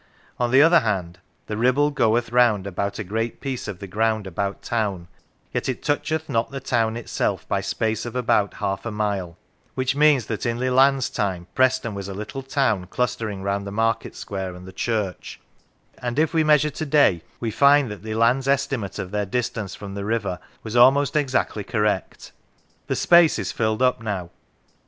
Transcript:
On the other hand, " the Kibble goeth round about a great piece of the ground about town, yet it toucheth not the town itself by space of about half a mile"; which means that in Leland's time Preston was a little town clustering round the market square and the church, and if we 77 Lancashire measure to day we find that Leland's estimate of their distance from the river was almost exactly correct. The space is filled up now.